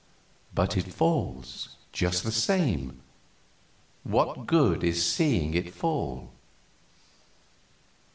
"But it falls, just the same. What good is seeing it fall?"